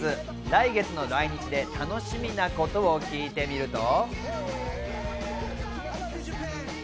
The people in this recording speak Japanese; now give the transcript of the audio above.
来月の来日で楽しみなことを聞いてみると。